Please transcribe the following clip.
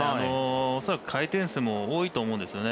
恐らく回転数も多いと思うんですね。